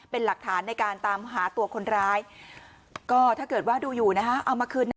เป็นหลักฐานในการตามหาตัวคนร้ายก็ถ้าเกิดว่าดูอยู่นะฮะเอามาคืนนะ